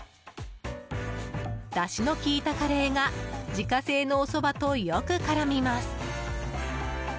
だしの利いたカレーが自家製のおそばとよく絡みます。